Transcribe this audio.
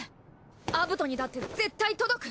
アブトにだって絶対届く。